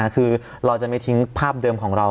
คือเราจะไม่ทิ้งภาพเดิมของเรา